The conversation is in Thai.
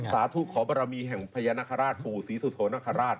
สาธุขอบรรมีแห่งพญานาคาราศภูศีสุธรนาคาราศ